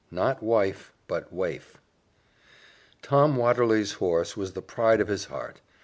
Not Wife, But Waif Tom Watterly's horse was the pride of his heart.